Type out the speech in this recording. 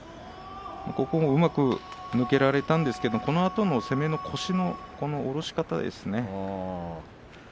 ここもうまく抜けられたんですけれども、そのあとの腰の下ろし方ですね。